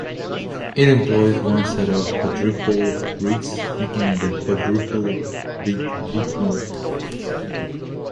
It employs one set of quadruple reeds, making it a quadruple reed woodwind.